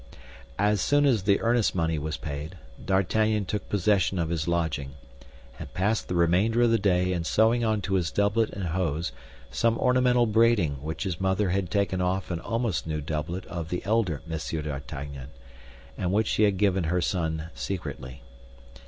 As soon as the earnest money was paid, D'Artagnan took possession of his lodging, and passed the remainder of the day in sewing onto his doublet and hose some ornamental braiding which his mother had taken off an almost new doublet of the elder M. d'Artagnan, and which she had given her son secretly.